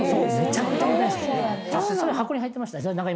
それ箱に入ってました？